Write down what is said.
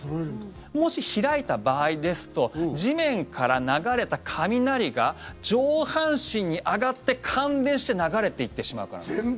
もし開いた場合ですと地面から流れた雷が上半身に上がって感電して流れていってしまうからです。